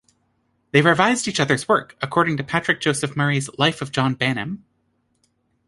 They revised each other's work; according to Patrick Joseph Murray's "Life of John Banim".